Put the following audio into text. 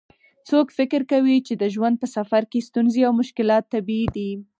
څوک فکر کوي چې د ژوند په سفر کې ستونزې او مشکلات طبیعي دي